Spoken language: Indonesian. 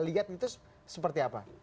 lihat itu seperti apa